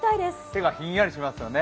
手がひんやりしますね。